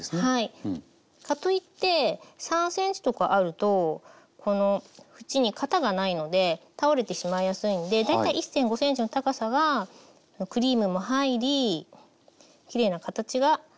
かといって３ｃｍとかあるとこの縁に型がないので倒れてしまいやすいんで大体１．５ｃｍの高さがクリームも入りきれいな形が保ちやすいと思います。